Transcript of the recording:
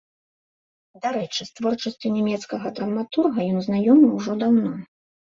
Дарэчы, з творчасцю нямецкага драматурга ён знаёмы ўжо даўно.